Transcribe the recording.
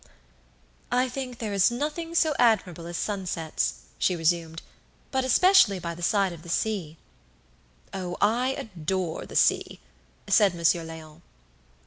"I think there is nothing so admirable as sunsets," she resumed; "but especially by the side of the sea." "Oh, I adore the sea!" said Monsieur Léon.